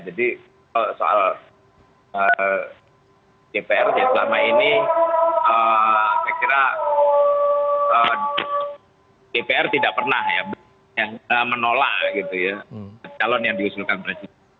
jadi soal dpr selama ini saya kira dpr tidak pernah menolak calon yang diusulkan presiden